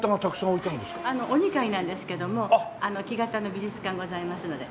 お二階なんですけども木型の美術館ございますので。